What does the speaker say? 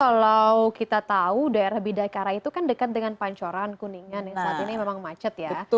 kalau kita tahu daerah bidakara itu kan dekat dengan pancoran kuningan yang saat ini memang macet ya